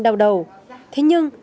đau đầu thế nhưng